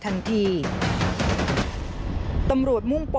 วันที่สุด